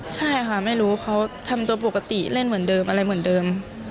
ใช่ค่ะไม่รู้เขาทำตัวปกติเล่นเหมือนเดิมอะไรเหมือนเดิม